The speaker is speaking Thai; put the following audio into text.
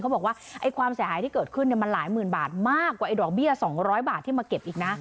บอกว่าความเสียหายที่เกิดขึ้นมันหลายหมื่นบาทมากกว่าไอดอกเบี้ย๒๐๐บาทที่มาเก็บอีกนะ